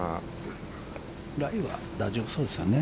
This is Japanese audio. ライは大丈夫そうですね。